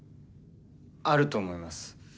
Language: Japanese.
あると思います。